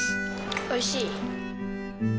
おいしい。